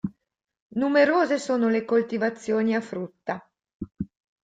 Numerose sono le coltivazioni a frutta.